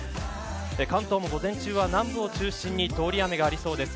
関東も午前中は、南部を中心に通り雨がありそうです。